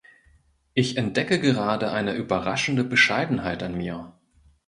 Ich entdecke gerade eine überraschende Bescheidenheit an mir.